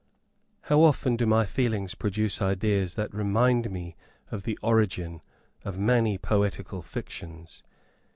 How often do my feelings produce ideas that remind me of the origin of many poetical fictions.